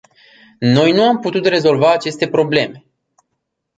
Noi nu am putut rezolva aceste probleme.